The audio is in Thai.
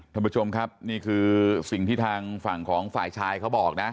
ท่านผู้ชมครับนี่คือสิ่งที่ทางฝั่งของฝ่ายชายเขาบอกนะ